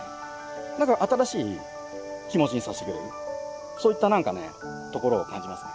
なんか新しい気持ちにさせてくれるそういったところを感じますね。